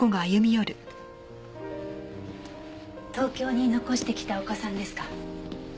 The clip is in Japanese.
東京に残してきたお子さんですか？